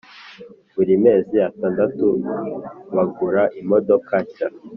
buri mezi atandatu bagura imodoka nshya